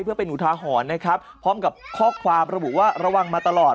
เพื่อเป็นอุทาหรณ์นะครับพร้อมกับข้อความระบุว่าระวังมาตลอด